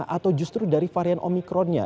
atau justru dari varian omikronnya